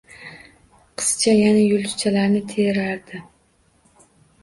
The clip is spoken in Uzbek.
Qizcha yana yulduzchalarni terardi